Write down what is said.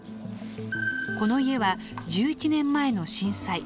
この家は１１年前の震災